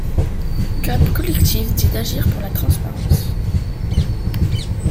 Cap Collectif dit agir pour la transparence.